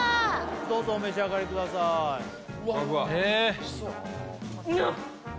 どうぞお召し上がりくださいぬっ！